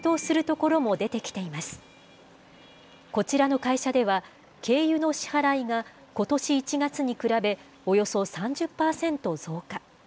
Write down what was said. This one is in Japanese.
こちらの会社では、軽油の支払いがことし１月に比べ、およそ３０％増加。